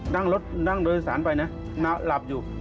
นั่งรถนั่งโดยสารไปนะหลับอยู่